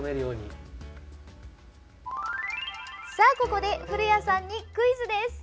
ここで古谷さんにクイズです。